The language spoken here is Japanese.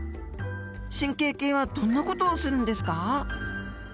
神経系はどんな事をするんですか？